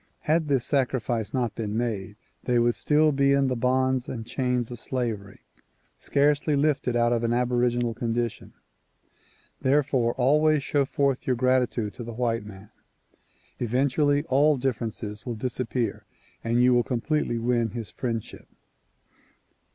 Had this sacrifice not been made they DISCOURSE DELIVERED IN :\IONTCLAIR 109 would still be in the bonds and chains of slavery, scarcely lifted out of an aboriginal condition. Therefore always show forth your gratitude to the white man. Eventually all differences will dis appear and you will completely win his friendship.